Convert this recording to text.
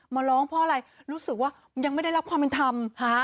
มาร้องเพราะอะไรรู้สึกว่ายังไม่ได้รับความเป็นธรรม